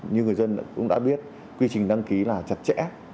như người dân cũng đã biết quy trình đăng ký là chặt chẽ